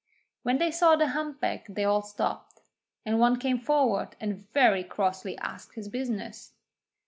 When they saw the humpback they all stopped, and one came forward and very crossly asked his business.